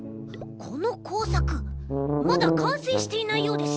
このこうさくまだかんせいしていないようですよ。